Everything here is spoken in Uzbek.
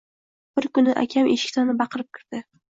Bir kuni akam eshikdan baqirib kirdi.